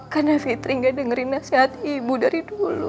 karena fitri enggak dengerin nasihat ibu dari dulu